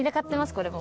これも。